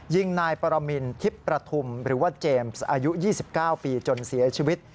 ยิงนายปรมินทิพย์ประทุมหรือว่าเจมส์อายุ๒๙ปีจนเสียชีวิต